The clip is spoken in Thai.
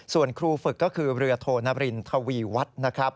ส่วนครูฝึกก็คือเรือโทรณรินทะวีวัด